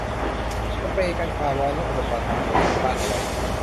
สเปรย์กันความร้อน และอุปกรณ์ทำผม ติดบ้านเอาไว้